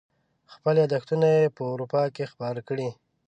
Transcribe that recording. خپل یاداشتونه یې په اروپا کې خپاره کړي.